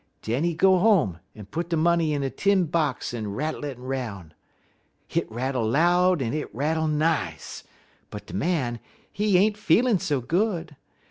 Den he go home, en put de money in a tin box en rattle it 'roun.' Hit rattle loud en hit rattle nice, but de Man, he ain't feel so good.